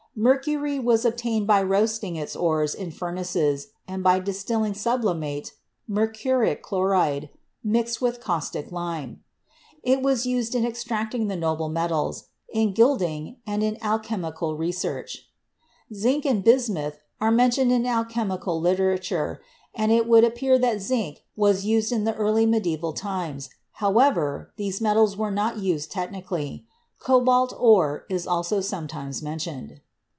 Mercury was obtained by roasting its ores in furnaces and by distilling sublimate (mercuric chloride) mixed with caustic lime; it was used in extracting the noble metals, in gilding, and in alchemical research. Zinc and bismuth are mentioned in alchemical literature, and it would appear that zinc was used in the early medieval times; however, these metals were not used technically. Cobalt ore is also sometimes mentioned.